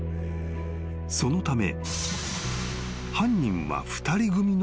［そのため］